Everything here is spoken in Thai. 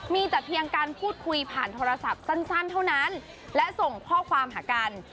มีแต่เพียงการพูดคุยผ่านโทรศัพท์สั้นเท่านั้นและส่งข้อความหากัน